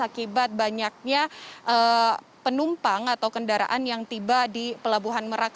akibat banyaknya penumpang atau kendaraan yang tiba di pelabuhan merak